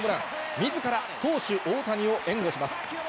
みずから投手、大谷を援護します。